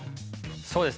そうですね。